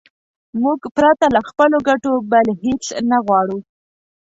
موږ پرته له خپلو ګټو بل هېڅ نه غواړو.